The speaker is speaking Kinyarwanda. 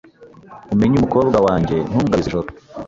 Umenye umukobwa wanjye ntumugabize ijoro